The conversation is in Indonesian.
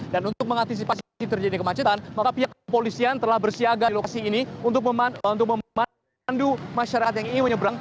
dan untuk mengantisipasi terjadi kemacetan maka pihak kepolisian telah bersiaga di lokasi ini untuk memandu masyarakat yang ingin menyeberang